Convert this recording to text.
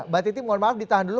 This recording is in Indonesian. mbak titi mohon maaf ditahan dulu